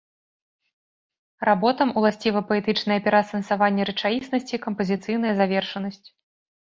Работам уласціва паэтычнае пераасэнсаванне рэчаіснасці, кампазіцыйная завершанасць.